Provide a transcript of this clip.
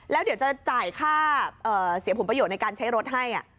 แล้วเดี๋ยวจะจ่ายค่าเสียผลประโยชน์ในการใช้รถให้